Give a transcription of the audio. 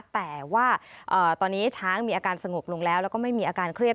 แต่ว่าตอนนี้ช้างมีอาการสงบลงแล้วแล้วก็ไม่มีอาการเครียด